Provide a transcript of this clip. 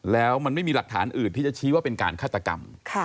แล้วมันไม่มีหลักฐานอื่นที่จะชี้ว่าเป็นการฆาตกรรม